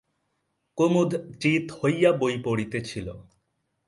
কুমুদ চিত হইয়া বই পড়িতেছিল।